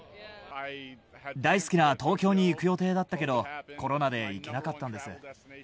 大好きな東京に行く予定だったけど、コロナで行けなかったんです。